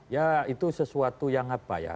ya itu sesuatu yang apa ya